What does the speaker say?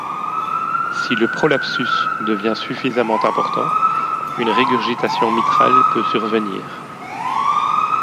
Si le prolapsus devient suffisamment important, une régurgitation mitrale peut survenir.